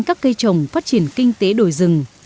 các cây trồng phát triển kinh tế đồi rừng